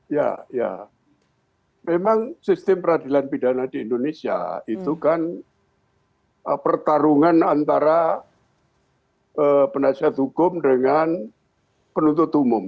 ya ya memang sistem peradilan pidana di indonesia itu kan pertarungan antara penasihat hukum dengan penuntut umum